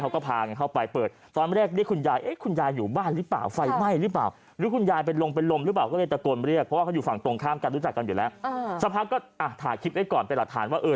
ควันก็เลยขึ้นขมูงโฉงเสียงเลยเนี่ย